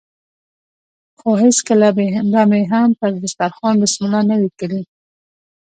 خو هېڅکله به مې هم پر هغه دسترخوان بسم الله نه وي کړې.